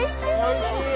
おいしい？